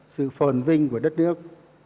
sự phồn vinh của đất nước